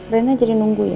reina aja nunggu ya